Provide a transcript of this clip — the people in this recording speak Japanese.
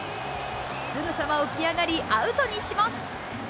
すぐさま起き上がりアウトにします。